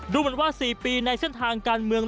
ดูเหมือนว่า๔ปีในเส้นทางการเมือง